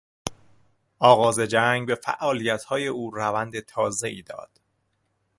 آغاز جنگ به فعالیتهای او روند تازهای داد.